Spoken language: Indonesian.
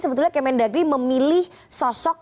sebetulnya kemendagri memilih sosok